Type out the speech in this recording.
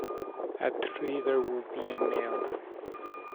At three there would be a mail.